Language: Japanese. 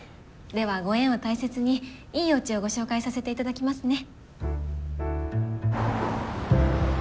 ではご縁を大切にいいおうちをご紹介させていただきますね。